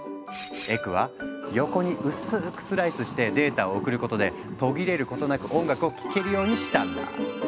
エクはヨコに薄くスライスしてデータを送ることで途切れることなく音楽を聴けるようにしたんだ。